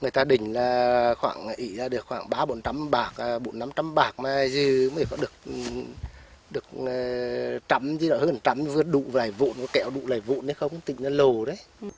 người ta đỉnh là khoảng ý là được khoảng ba bốn trăm linh bạc bốn năm trăm linh bạc mà gì mới có được chấm chứ là hơn chấm vượt đủ và lại vụn có kẹo đủ lại vụn hay không tỉnh là lồ đấy